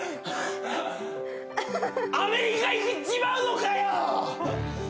アメリカ行っちまうのかよ！